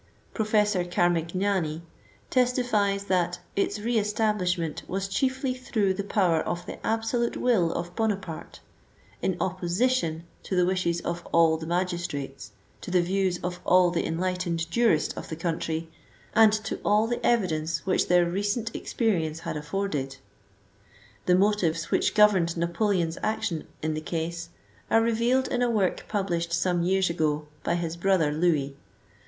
Professor Carmig nani attests that "its re establishment was chiefly through the power of the absolute will of Bonaparte, in opposition to the wishes of all the magistrates, to the views of all the en lightened jurists of the country, and to all the evidence which their recent experience had afforded." The motives which governed Napoleon's action in the case, are revealed in a work published some years ago by his brother Louis.